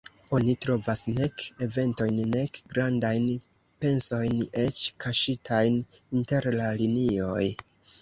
Oni trovas nek eventojn, nek grandajn pensojn, eĉ kaŝitajn inter la linioj.